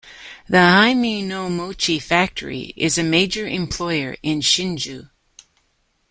The hime no mochi factory is a major employer in Shinjō.